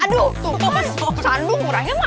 aduh tuh kok masih fokusan lu kurangnya ma